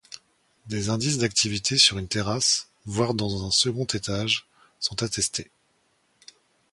Des indices d’activité sur une terrasse, voire dans un second étage, sont attestés.